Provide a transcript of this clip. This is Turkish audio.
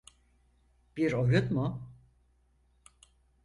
Bir oyun mu?